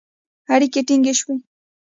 اړیکې ټینګې شوې